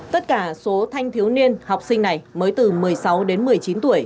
tất cả số thanh thiếu niên học sinh này mới từ một mươi sáu đến một mươi chín tuổi